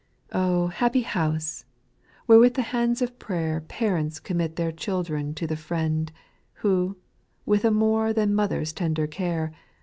8. Oh, happy house 1 where with the hands of prayer Parents commit their children to the Friend, Who, with a more than mother's tender care.